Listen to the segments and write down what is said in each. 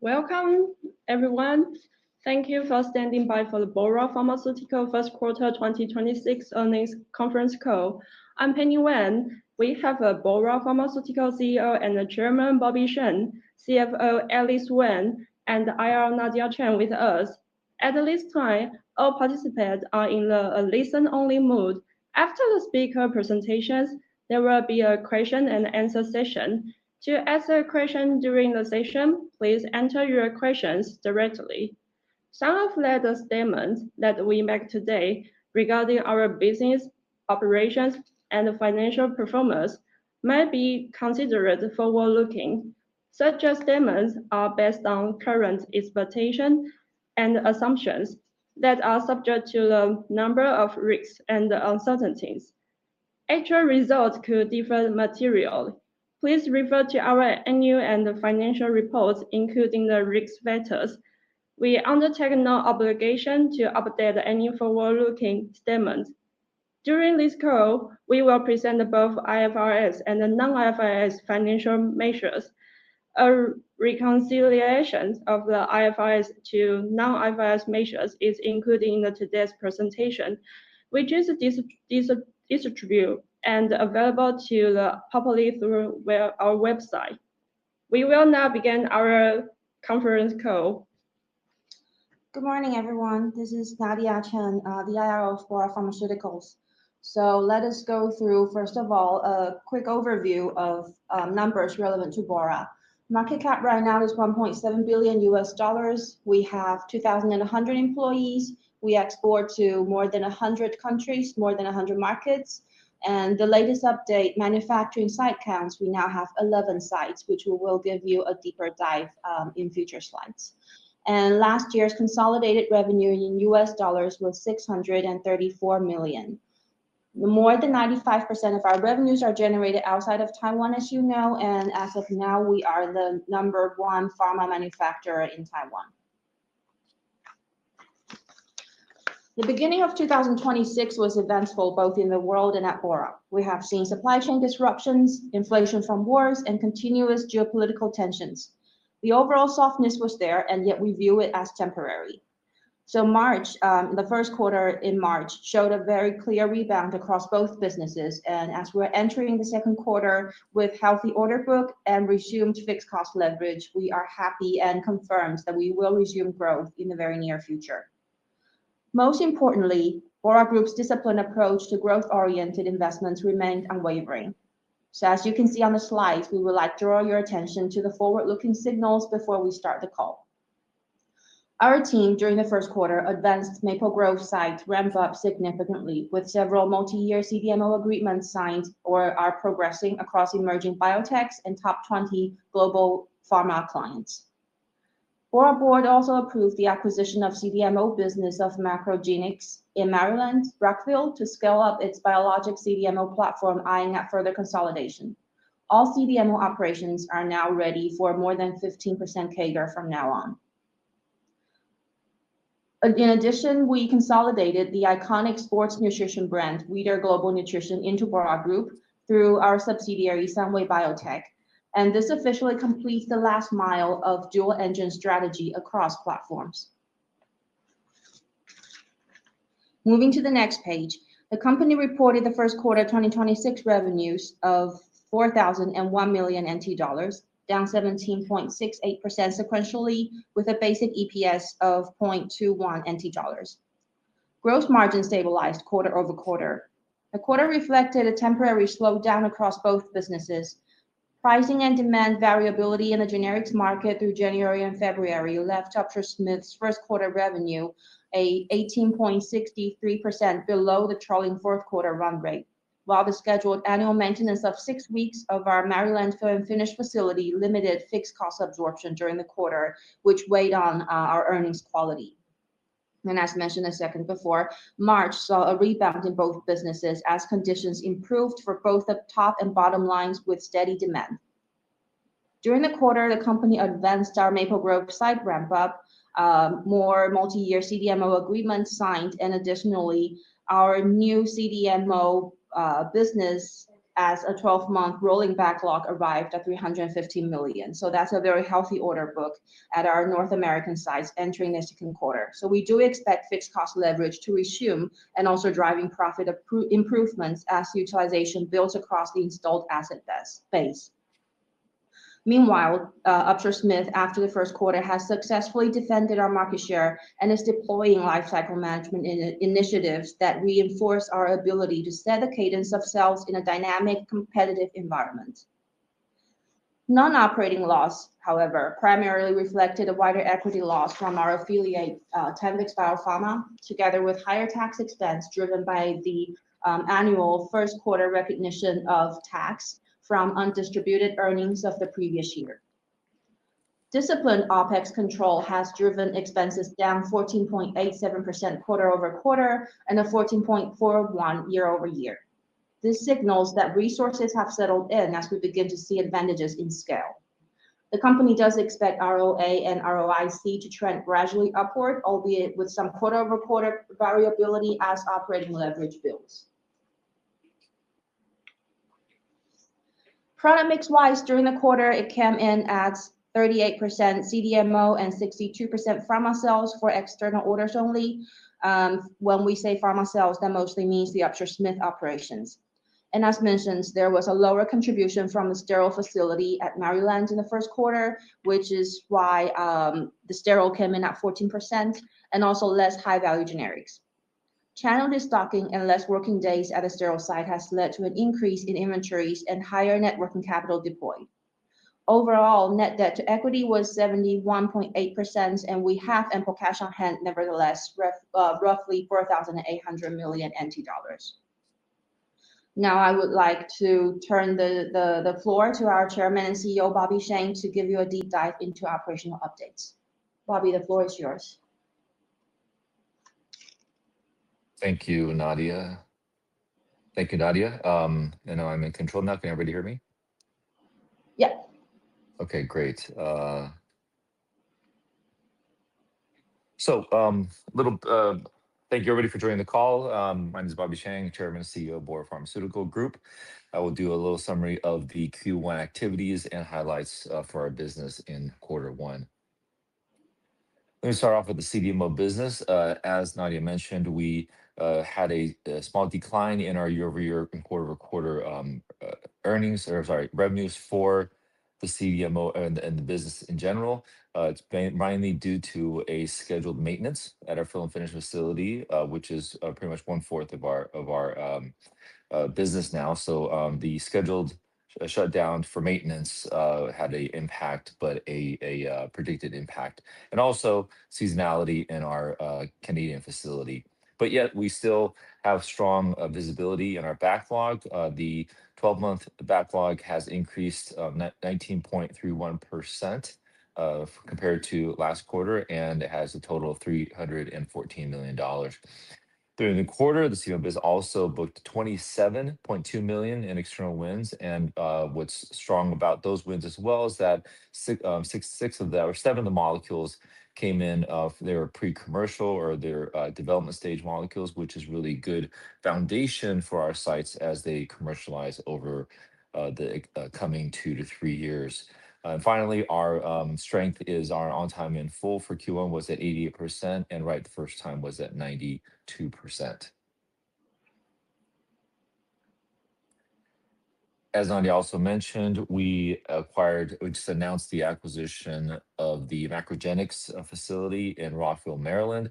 Welcome, everyone. Thank you for standing by for the Bora Pharmaceuticals 1st quarter 2026 earnings conference call. I'm Penny Wang. We have Bora Pharmaceuticals CEO and Chairman, Bobby Sheng, CFO, Alice Wang, and IR, Nadiya Chen, with us. At this time, all participants are in the listen-only mode. After the speaker presentations, there will be a question and answer session. To ask a question during the session, please enter your questions directly. Some of the statements that we make today regarding our business operations and financial performance may be considered forward-looking. Such statements are based on current expectations and assumptions that are subject to a number of risks and uncertainties. Actual results could differ materially. Please refer to our annual and financial reports, including the risk factors. We undertake no obligation to update any forward-looking statements. During this call, we will present both IFRS and non-IFRS financial measures. A reconciliation of the IFRS to non-IFRS measures is included in today's presentation, which is distributed and available to the public through web, our website. We will now begin our conference call. Good morning, everyone. This is Nadiya Chen, the IR for Bora Pharmaceuticals. Let us go through, first of all, a quick overview of numbers relevant to BORA. Market cap right now is $1.7 billion US dollars. We have 2,100 employees. We export to more than 100 countries, more than 100 markets. The latest update, manufacturing site counts, we now have 11 sites, which we will give you a deeper dive in future slides. Last year's consolidated revenue in US dollars was $634 million. More than 95% of our revenues are generated outside of Taiwan, as you know, and as of now, we are the number 1 pharma manufacturer in Taiwan. The beginning of 2026 was eventful, both in the world and at BORA. We have seen supply chain disruptions, inflation from wars, and continuous geopolitical tensions. The overall softness was there, and yet we view it as temporary. March, the first quarter in March, showed a very clear rebound across both businesses. As we're entering the second quarter with healthy order book and resumed fixed cost leverage, we are happy and confirms that we will resume growth in the very near future. Most importantly, Bora Group's disciplined approach to growth-oriented investments remained unwavering. As you can see on the slides, we would like to draw your attention to the forward-looking signals before we start the call. Our team during the first quarter advanced Maple Grove site ramp-up significantly with several multi-year CDMO agreements signed or are progressing across emerging biotechs and top 20 global pharma clients. Bora board also approved the acquisition of CDMO business of MacroGenics in Maryland, Rockville, to scale up its biologics CDMO platform, eyeing at further consolidation. All CDMO operations are now ready for more than 15% CAGR from now on. In addition, we consolidated the iconic sports nutrition brand, Weider Global Nutrition, into Bora Group through our subsidiary, SunWay Biotech, and this officially completes the last mile of dual-engine strategy across platforms. Moving to the next page, the company reported the first quarter 2026 revenues of 4,001 million NT dollars, down 17.68% sequentially, with a basic EPS of 0.21 NT dollars. Gross margin stabilized quarter-over-quarter. The quarter reflected a temporary slowdown across both businesses. Pricing and demand variability in the generics market through January and February left Upsher-Smith's first quarter revenue 18.63% below the trailing fourth quarter run rate. While the scheduled annual maintenance of six weeks of our Maryland fill-and-finish facility limited fixed cost absorption during the quarter, which weighed on our earnings quality. As mentioned a second before, March saw a rebound in both businesses as conditions improved for both the top and bottom lines with steady demand. During the quarter, the company advanced our Maple Grove site ramp-up, more multi-year CDMO agreements signed, and additionally, our new CDMO business as a 12-month rolling backlog arrived at 350 million. That's a very healthy order book at our North American sites entering the second quarter. We do expect fixed cost leverage to resume and also driving profit improvements as utilization builds across the installed asset base. Meanwhile, Upsher-Smith, after the first quarter, has successfully defended our market share and is deploying lifecycle management initiatives that reinforce our ability to set the cadence of sales in a dynamic, competitive environment. Non-operating loss, however, primarily reflected a wider equity loss from our affiliate, Tanvex BioPharma, together with higher tax expense driven by the annual first quarter recognition of tax from undistributed earnings of the previous year. Disciplined OpEx control has driven expenses down 14.87% quarter-over-quarter and a 14.41% year-over-year. This signals that resources have settled in as we begin to see advantages in scale. The company does expect ROA and ROIC to trend gradually upward, albeit with some quarter-over-quarter variability as operating leverage builds. Product mix-wise during the quarter, it came in at 38% CDMO and 62% pharma sales for external orders only. When we say pharma sales, that mostly means the Upsher-Smith operations. As mentioned, there was a lower contribution from the sterile facility at Maryland in the first quarter, which is why the sterile came in at 14% and also less high-value generics. Channel de-stocking and less working days at the sterile site has led to an increase in inventories and higher net working capital deployed. Overall, net debt to equity was 71.8%, and we have ample cash on hand nevertheless, roughly 4,800 million NT dollars. Now I would like to turn the floor to our Chairman and CEO, Bobby Sheng, to give you a deep dive into operational updates. Bobby, the floor is yours. Thank you, Nadiya. Now I'm in control now. Can everybody hear me? Yep. Okay, great. Thank you, everybody, for joining the call. My name is Bobby Sheng, Chairman and CEO of Bora Pharmaceuticals Group. I will do a little summary of the Q1 activities and highlights of our business in quarter one. Let me start off with the CDMO business. As Nadiya mentioned, we had a small decline in our year-over-year and quarter-over-quarter earnings, or sorry, revenues for the CDMO and the business in general. It's mainly due to a scheduled maintenance at our fill-and-finish facility, which is pretty much one-fourth of our business now. The scheduled shutdown for maintenance had a impact, but a predicted impact, also seasonality in our Canadian facility. We still have strong visibility in our backlog. The 12-month backlog has increased 19.31% compared to last quarter, and it has a total of 314 million dollars. During the quarter, the CDMO business also booked 27.2 million in external wins. What's strong about those wins as well is that six of them or seven of the molecules came in, they were pre-commercial or they're development stage molecules, which is really good foundation for our sites as they commercialize over the coming 2-3 years. Finally, our strength is our on time in full for Q1 was at 88%, and right the first time was at 92%. As Nadiya Chen also mentioned, we just announced the acquisition of the MacroGenics facility in Rockville, Maryland.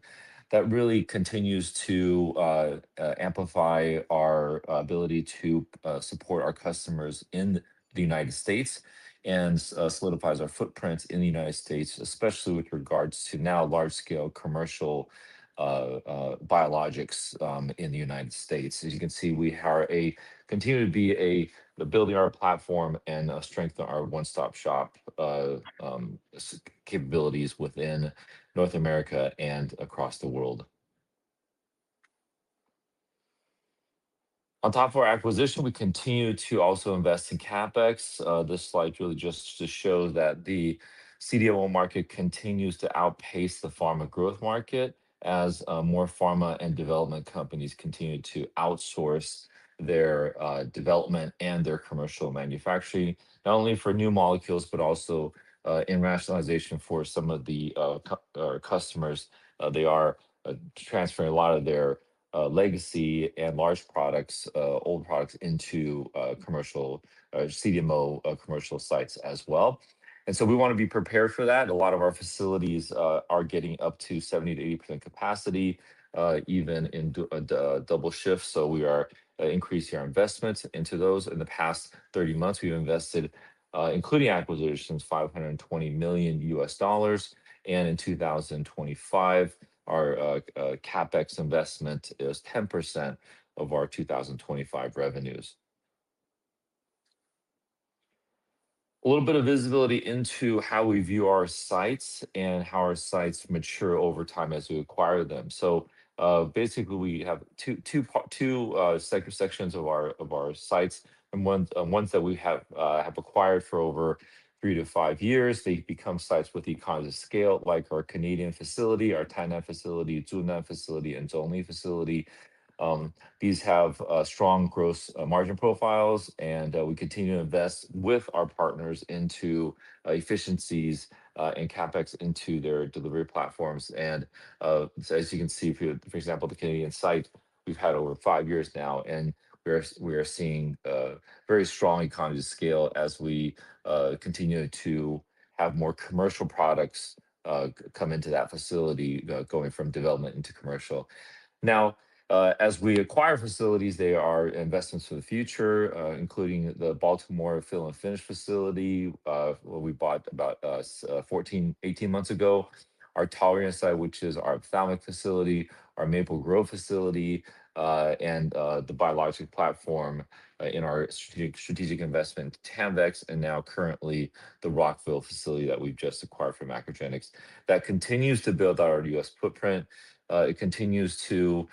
That really continues to amplify our ability to support our customers in the United States and solidifies our footprints in the United States, especially with regards to now large scale commercial biologics in the United States. As you can see, we continue to be building our platform and strengthen our one-stop shop capabilities within North America and across the world. On top of our acquisition, we continue to also invest in CapEx. This slide really just to show that the CDMO market continues to outpace the pharma growth market as more pharma and development companies continue to outsource their development and their commercial manufacturing, not only for new molecules but also in rationalization for some of the customers. They are transferring a lot of their legacy and large products, old products into commercial CDMO commercial sites as well. We wanna be prepared for that. A lot of our facilities are getting up to 70%-80% capacity, even in double shifts. We are increasing our investments into those. In the past 30 months, we've invested, including acquisitions, $520 million. In 2025, our CapEx investment is 10% of our 2025 revenues. A little bit of visibility into how we view our sites and how our sites mature over time as we acquire them. Basically, we have two part, two sections of our, of our sites. Ones that we have acquired for over 3-5 years, they become sites with economies of scale, like our Canadian facility, our Tainan facility, Zhunan facility, and Zhongli facility. These have strong gross margin profiles, and we continue to invest with our partners into efficiencies and CapEx into their delivery platforms. As you can see for example, the Canadian site, we've had over five years now, and we are seeing very strong economy scale as we continue to have more commercial products come into that facility going from development into commercial. As we acquire facilities, they are investments for the future, including the Baltimore fill and finish facility, what we bought about 14, 18 months ago, our Taoyuan site, which is our ophthalmic facility, our Maple Grove facility, and the biologics platform in our strategic investment, Tanvex, and now currently the Rockville facility that we've just acquired from MacroGenics. That continues to build out our U.S. footprint. It continues to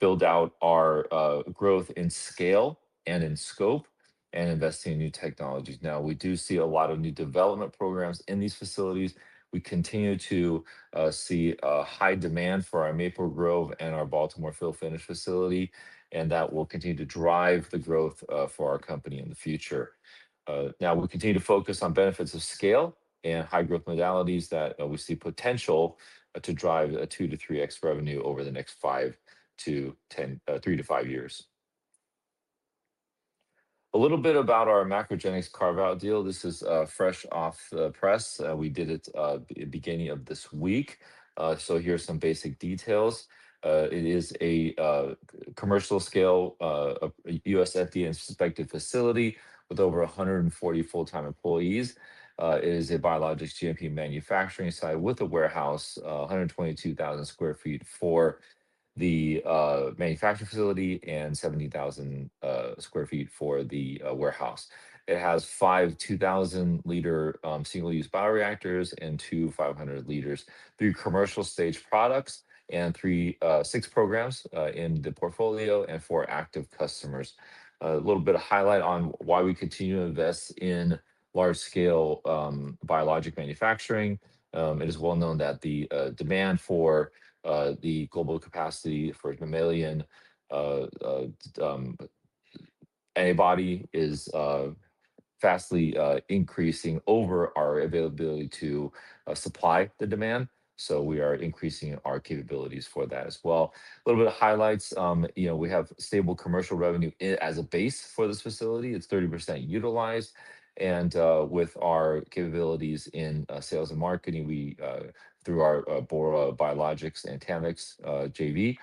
build out our growth in scale and in scope. Investing in new technologies. We do see a lot of new development programs in these facilities. We continue to see a high demand for our Maple Grove and our Baltimore fill finish facility, and that will continue to drive the growth for our company in the future. Now we continue to focus on benefits of scale and high-growth modalities that we see potential to drive a 2x-3x revenue over the next 3-5 years. A little bit about our MacroGenics carve-out deal. This is fresh off the press. We did it beginning of this week. Here's some basic details. It is a commercial scale U.S. FDA inspected facility with over 140 full-time employees. It is a biologics GMP manufacturing site with a warehouse, 122,000 sq ft for the manufacturing facility and 70,000 sq ft for the warehouse. It has five 2,000 liter single-use bioreactors and two 500 liters, three commercial stage products and six programs in the portfolio and four active customers. A little bit of highlight on why we continue to invest in large scale biologic manufacturing. It is well known that the demand for the global capacity for mammalian antibody is fastly increasing over our availability to supply the demand, so we are increasing our capabilities for that as well. A little bit of highlights. You know, we have stable commercial revenue as a base for this facility. It's 30% utilized and with our capabilities in sales and marketing, we through our Bora Biologics and Tanvex JV,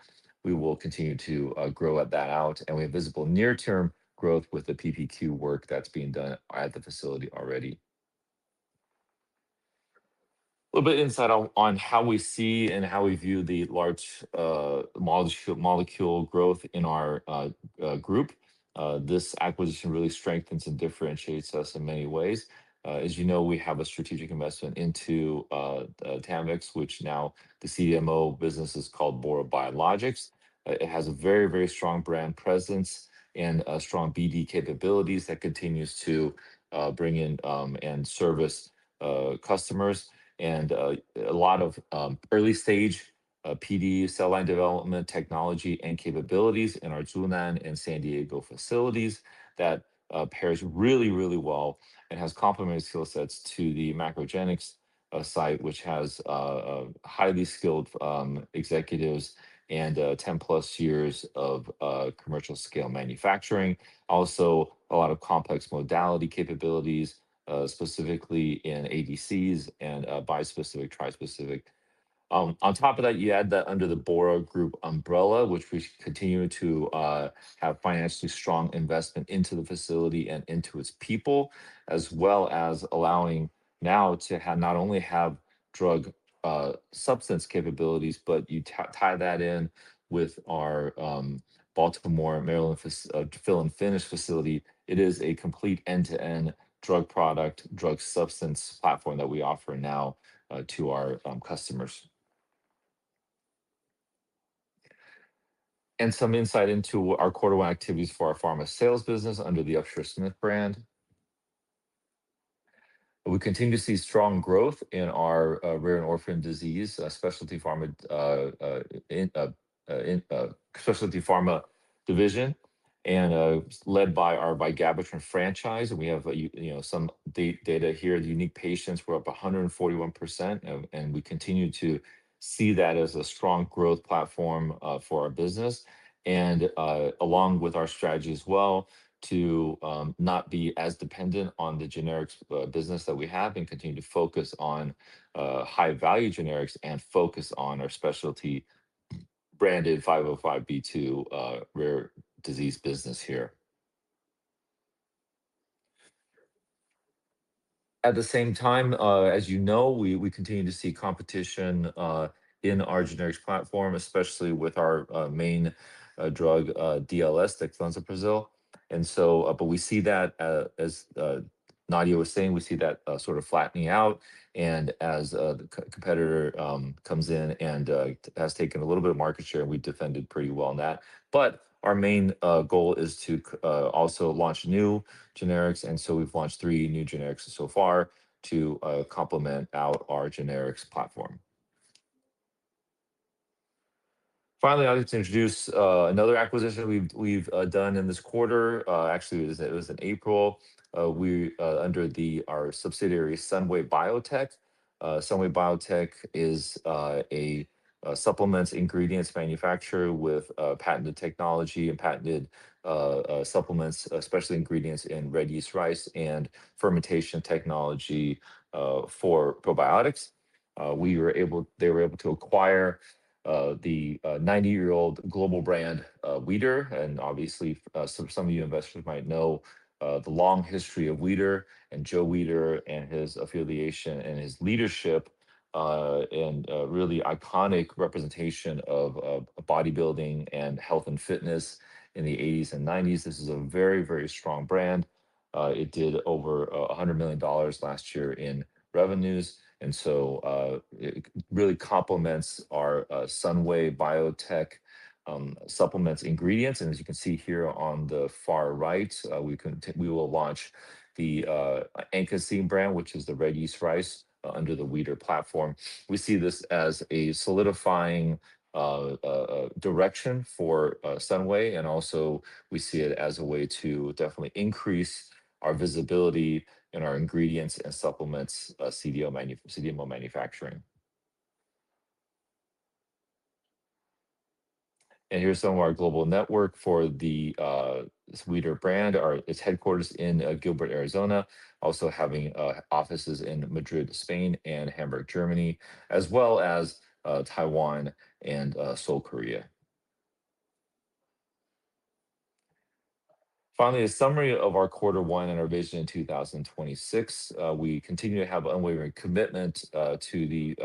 we will continue to grow that out. We have visible near-term growth with the PPQ work that's being done at the facility already. A little bit insight on how we see and how we view the large molecule growth in our group. This acquisition really strengthens and differentiates us in many ways. As you know, we have a strategic investment into Tanvex, which now the CDMO business is called Bora Biologics. It has a very, very strong brand presence and strong BD capabilities that continues to bring in and service customers and a lot of early-stage PD cell line development technology and capabilities in our Zhunan and San Diego facilities that pairs really, really well and has complementary skill sets to the MacroGenics site, which has highly skilled executives and 10 plus years of commercial scale manufacturing. Also, a lot of complex modality capabilities specifically in ADCs and bispecific, trispecific. On top of that, you add that under the Bora Group umbrella, which we continue to have financially strong investment into the facility and into its people, as well as allowing now not only have drug substance capabilities, but you tie that in with our Baltimore, Maryland fill and finish facility. It is a complete end-to-end drug product, drug substance platform that we offer now to our customers. Some insight into our quarter one activities for our pharma sales business under the Upsher-Smith brand. We continue to see strong growth in our rare and orphan disease specialty pharma division led by our Vigabatrin franchise. We have, you know, some data here. Unique patients were up 141%. We continue to see that as a strong growth platform for our business and along with our strategy as well to not be as dependent on the generics business that we have and continue to focus on high-value generics and focus on our specialty branded 505(b)(2) rare disease business here. At the same time, as you know, we continue to see competition in our generics platform, especially with our main drug DLS, dexlansoprazole. We see that as Nadiya was saying, we see that sort of flattening out and as the co-competitor comes in and has taken a little bit of market share, and we've defended pretty well on that. Our main goal is to also launch new generics. So we've launched three new generics so far to complement our generics platform. Finally, I'd like to introduce another acquisition we've done in this quarter. Actually, it was in April. We, under our subsidiary, SunWay Biotech. SunWay Biotech is a supplements ingredients manufacturer with patented technology and patented supplements, especially ingredients in red yeast rice and fermentation technology for probiotics. They were able to acquire the 90-year-old global brand, Weider. Obviously, some of you investors might know the long history of Weider and Joe Weider and his affiliation and his leadership. And a really iconic representation of bodybuilding and health and fitness in the 1980s and 1990s. This is a very strong brand. It did over $100 million last year in revenues. It really complements our SunWay Biotech supplements ingredients. As you can see here on the far right, we will launch the Ankascin brand, which is the red yeast rice under the Weider platform. We see this as a solidifying direction for SunWay, and also we see it as a way to definitely increase our visibility in our ingredients and supplements CDMO manufacturing. Here's some of our global network for this Weider brand. Its headquarters in Gilbert, Arizona, also having offices in Madrid, Spain, and Hamburg, Germany, as well as Taiwan and Seoul, Korea. A summary of our quarter one and our vision in 2026. We continue to have unwavering commitment to the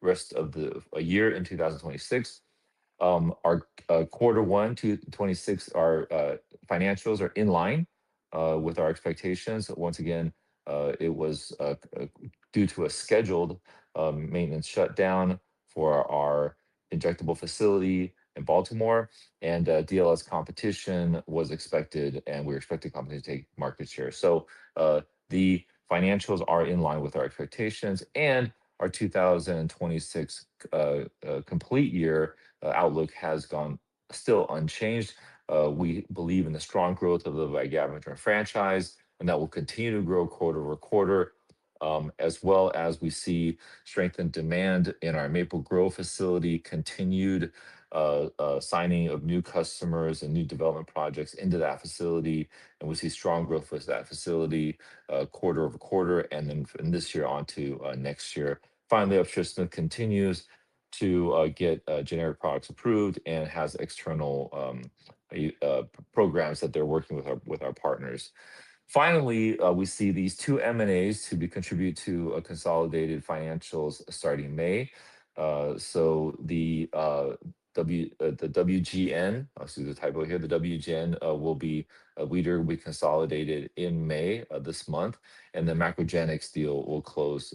rest of the year in 2026. Our Q1 2026 financials are in line with our expectations. Once again, it was due to a scheduled maintenance shutdown for our injectable facility in Baltimore, and DLS competition was expected, and we're expecting company to take market share. The financials are in line with our expectations, and our 2026 complete year outlook has gone still unchanged. We believe in the strong growth of the Vigabatrin franchise, and that will continue to grow quarter-over-quarter, as well as we see strength and demand in our Maple Grove facility, continued signing of new customers and new development projects into that facility. We see strong growth with that facility, quarter-over-quarter, and then from this year on to next year. Finally, Upsher-Smith continues to get generic products approved and has external programs that they're working with our, with our partners. Finally, we see these two M&As to be contribute to a consolidated financials starting May. So the WGN, excuse the typo here, the WGN will be, Weider will be consolidated in May of this month, and the MacroGenics deal will close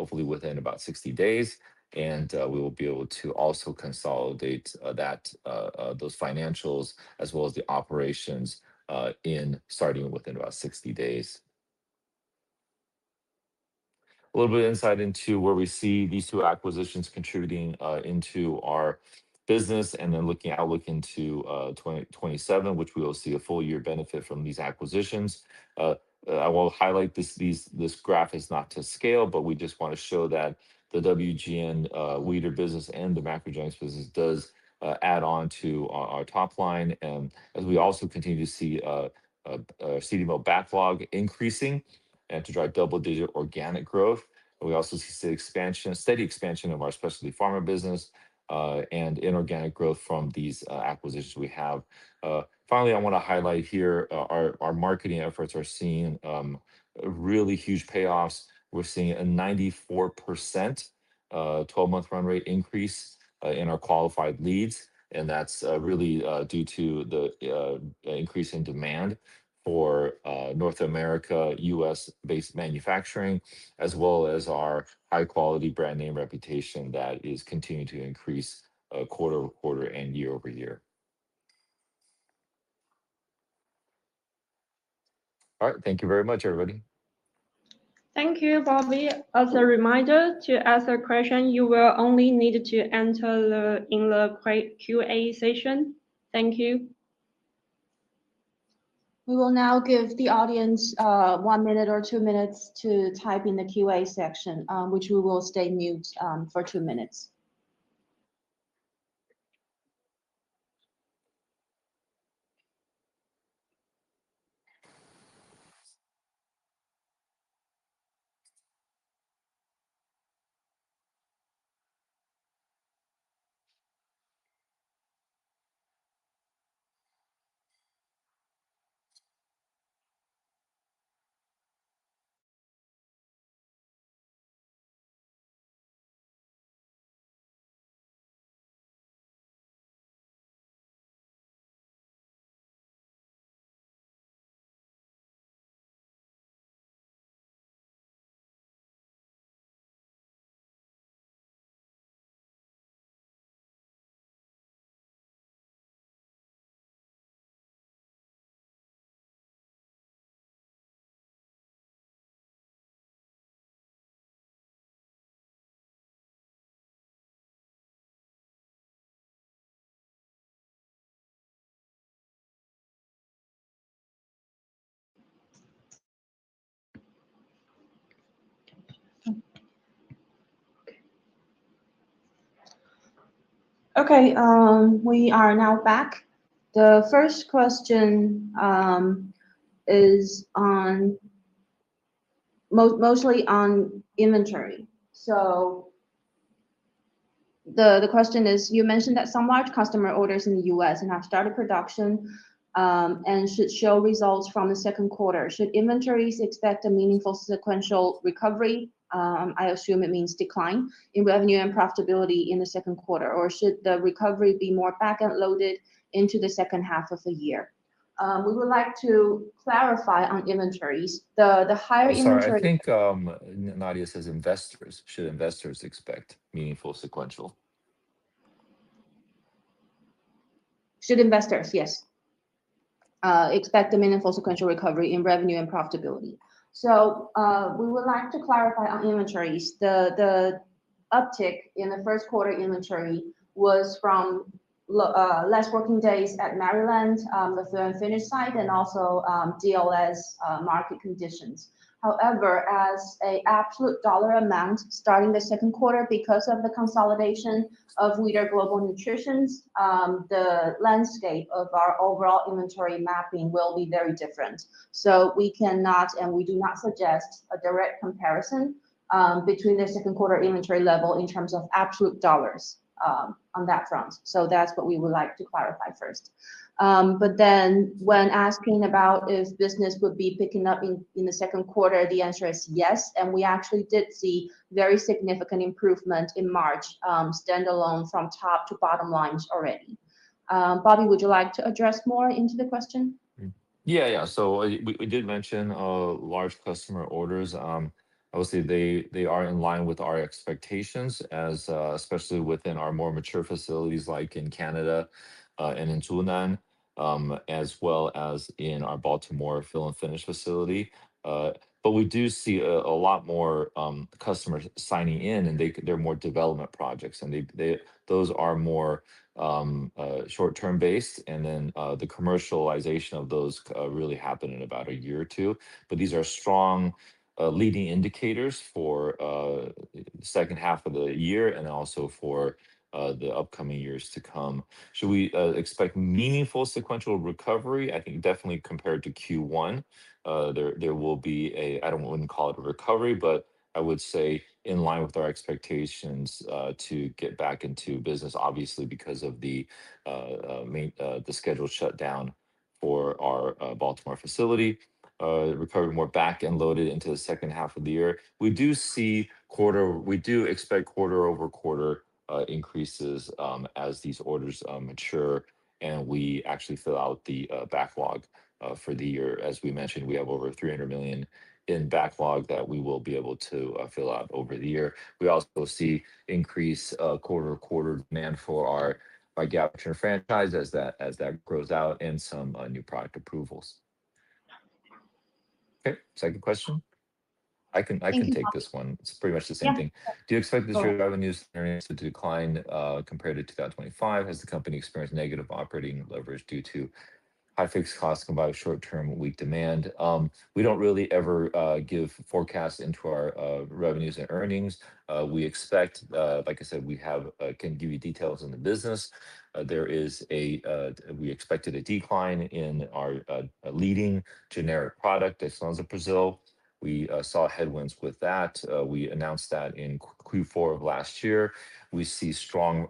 hopefully within about 60 days. We will be able to also consolidate that, those financials as well as the operations in starting within about 60 days. A little bit of insight into where we see these two acquisitions contributing into our business and then outlook into 2027, which we will see a full year benefit from these acquisitions. I will highlight this graph is not to scale, but we just want to show that the WGN Weider business and the MacroGenics business does add on to our top line. As we also continue to see CDMO backlog increasing and to drive double-digit organic growth. We also see steady expansion of our specialty pharma business and inorganic growth from these acquisitions we have. Finally, I want to highlight here, our marketing efforts are seeing really huge payoffs. We're seeing a 94% 12-month run rate increase in our qualified leads. That's really due to the increase in demand for North America, U.S.-based manufacturing, as well as our high-quality brand name reputation that is continuing to increase quarter-over-quarter and year-over-year. All right. Thank you very much, everybody. Thank you, Bobby. As a reminder, to ask a question, you will only need to enter in the QA session. Thank you. We will now give the audience one minute or two minutes to type in the QA section, which we will stay mute for two minutes. Okay. Okay, we are now back. The first question is mostly on inventory. The question is you mentioned that some large customer orders in the U.S. have now started production and should show results from the second quarter. Should inventories expect a meaningful sequential recovery, I assume it means decline, in revenue and profitability in the second quarter, or should the recovery be more back-end loaded into the second half of the year? We would like to clarify on inventories the higher inventory- I'm sorry. I think, Nadiya it says investors, should investors expect meaningful sequential? Should investors, yes, expect a meaningful sequential recovery in revenue and profitability? We would like to clarify on inventories, the uptick in the first quarter inventory was from less working days at MacroGenics, the fill and finish site and also, DLS market conditions. However, as a absolute dollar amount starting the second quarter because of the consolidation of Weider Global Nutrition, the landscape of our overall inventory mapping will be very different. We cannot, and we do not suggest a direct comparison between the second quarter inventory level in terms of absolute dollars on that front. That's what we would like to clarify first. When asking about if business would be picking up in the second quarter, the answer is yes, and we actually did see very significant improvement in March, standalone from top to bottom lines already. Bobby, would you like to address more into the question? Yeah, we did mention large customer orders. Obviously they are in line with our expectations as especially within our more mature facilities like in Canada and in Zhunan, as well as in our Baltimore fill and finish facility. We do see a lot more customers signing in, and they're more development projects and they, those are more short-term based. The commercialization of those really happen in about a year or two. These are strong leading indicators for second half of the year and also for the upcoming years to come. Should we expect meaningful sequential recovery? I think definitely compared to Q1. There will be a, I wouldn't call it a recovery, but I would say in line with our expectations, to get back into business obviously because of the main scheduled shutdown for our Baltimore facility, recovery more back-end loaded into the second half of the year. We do expect quarter-over-quarter increases as these orders mature and we actually fill out the backlog for the year. As we mentioned, we have over 300 million in backlog that we will be able to fill out over the year. We also see increased quarter-over-quarter demand for our gabapentin franchise as that grows out and some new product approvals. Okay. Second question. I can take this one. Thank you, Bobby. It's pretty much the same thing. Yeah. Sure. Do you expect this year's revenues and earnings to decline compared to 2025 as the company experienced negative operating leverage due to high fixed costs combined with short term weak demand? We don't really ever give forecasts into our revenues and earnings. We expect, like I said, we have can give you details in the business. There is a we expected a decline in our leading generic product, dexlansoprazole. We saw headwinds with that. We announced that in Q4 of last year. We see strong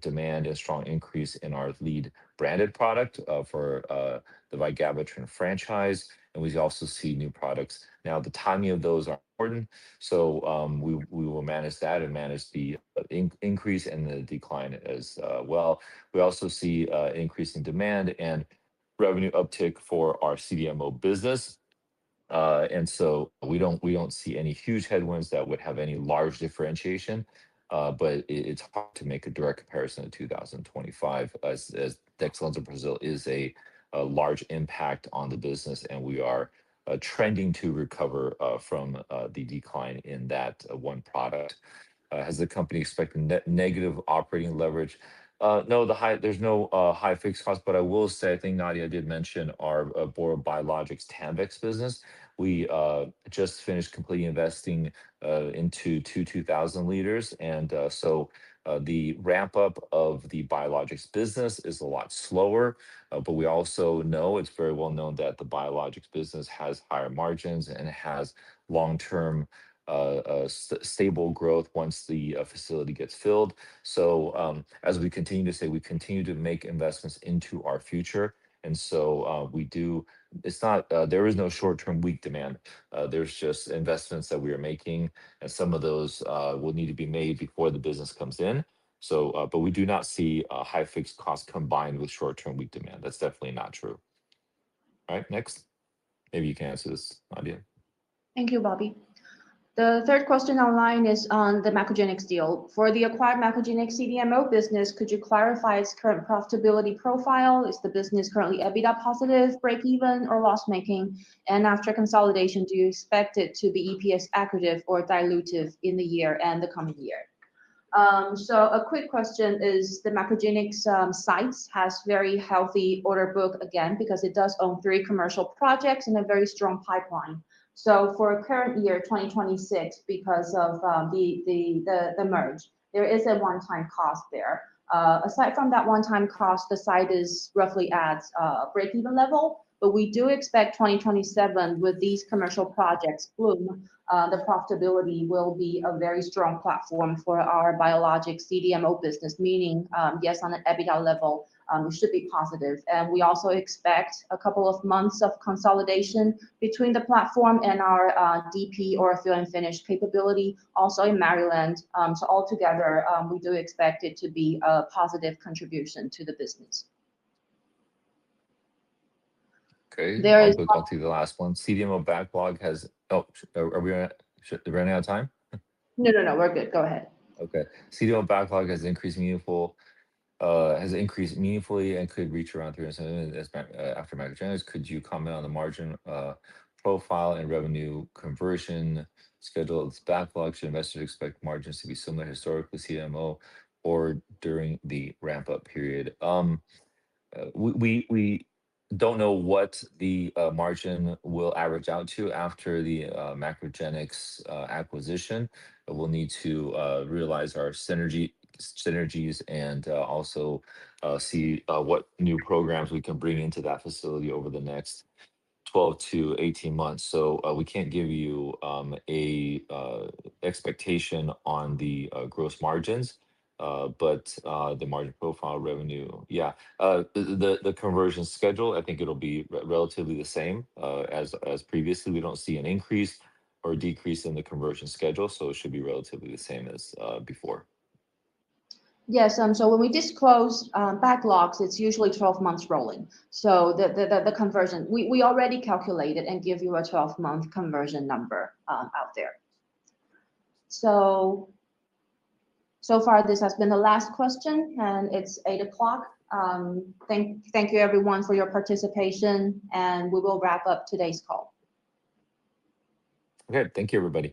demand and strong increase in our lead branded product for the vigabatrin franchise. We also see new products now. The timing of those are important. We will manage that and manage the increase and the decline as well. We also see increase in demand and revenue uptick for our CDMO business. We don't see any huge headwinds that would have any large differentiation. But it's hard to make a direct comparison to 2025 as Dexlansoprazole is a large impact on the business and we are trending to recover from the decline in that one product. Has the company expected negative operating leverage? No, there's no high fixed costs, but I will say, I think Nadiya did mention our for Biologics Tanvex business. We just finished completely investing into 2,000 liters. So the ramp up of the biologics business is a lot slower. We also know it's very well known that the biologics business has higher margins and has long-term stable growth once the facility gets filled. As we continue to say, we continue to make investments into our future, it's not there is no short-term weak demand. There's just investments that we are making and some of those will need to be made before the business comes in. We do not see a high fixed cost combined with short-term weak demand. That's definitely not true. All right. Next. Maybe you can answer this, Nadiya. Thank you, Bobby. The third question online is on the MacroGenics deal. For the acquired MacroGenics CDMO business, could you clarify its current profitability profile? Is the business currently EBITDA positive, break even, or loss making? After consolidation, do you expect it to be EPS accretive or dilutive in the year and the coming year? A quick question is the MacroGenics sites has very healthy order book again because it does own three commercial projects and a very strong pipeline. For current year 2026, because of the merge, there is a one-time cost there. Aside from that one-time cost, the site is roughly at breakeven level, but we do expect 2027 with these commercial projects boom, the profitability will be a very strong platform for our biologic CDMO business, meaning, yes, on an EBITDA level, should be positive. We also expect a couple of months of consolidation between the platform and our DP or fill and finish capability also in Maryland. Altogether, we do expect it to be a positive contribution to the business. Okay. There is- I'll quickly go through the last one. CDMO backlog has. Are we running out of time? No, no. We're good. Go ahead. Okay. CDMO backlog has increased meaningfully and could reach around three or so as after MacroGenics. Could you comment on the margin profile and revenue conversion schedule? Its backlogs, should investors expect margins to be similar historically to CDMO or during the ramp-up period? We don't know what the margin will average out to after the MacroGenics acquisition. We'll need to realize our synergies and also see what new programs we can bring into that facility over the next 12-18 months. We can't give you an expectation on the gross margins. The margin profile revenue, yeah, the conversion schedule, I think it'll be relatively the same as previously. We don't see an increase or decrease in the conversion schedule. It should be relatively the same as before. Yes, when we disclose backlogs, it's usually 12 months rolling. The conversion, we already calculated and give you a 12-month conversion number out there. So far this has been the last question, and it's 8:00. Thank you everyone for your participation, and we will wrap up today's call. Okay. Thank you, everybody.